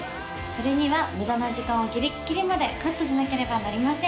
それには無駄な時間をギリッギリまでカットしなければなりません